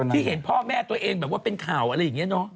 ที่เห็นพ่อแม่ตัวเองแบบว่าเป็นข่าวอะไรอย่างนี้เนอะ